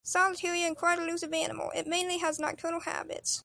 Solitary and quite elusive animal, it mainly has nocturnal habits.